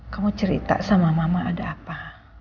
kamu cerita sama mama ada apa